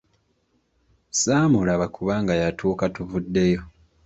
Saamulaba kubanga yatuuka tuvuddeyo.